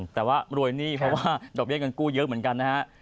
แต่ว่ารวยหนี้เพราะว่าดอกเลี้เงินกู้เยอะเหมือนกันนะฮะ